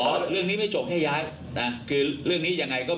นะครับผมก็ต้องให้การว่าเขาให้การว่าเขาให้การขัดแย้งข้อเรียกจริงนะครับ